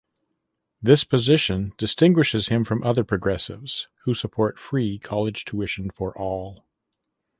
This position distinguishes him from other progressives who support free college tuition for all.